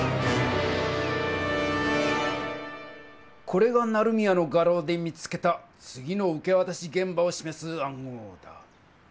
これが成宮の画廊で見つけた次の受けわたしげん場をしめす暗号だ。